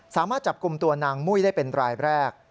สามารถจับกลุ่มตัวนางมุ้ยได้เป็นรายแรก